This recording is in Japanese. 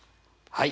はい。